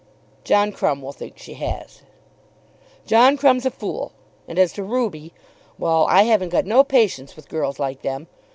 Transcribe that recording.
"John Crumb will think she has." "John Crumb's a fool; and as to Ruby; well, I haven't got no patience with girls like them.